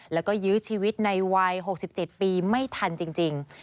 แล้วก็ยื้อชีวิตในวัย๖๗ปีไม่ทันจริง